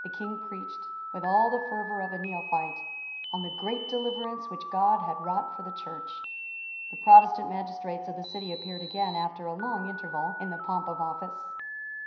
King preached, with all the fervour of a neophyte, on the great deliverance which God had wrought for the Church. The Protestant magistrates of the city appeared again, after a long interval, in the pomp of office.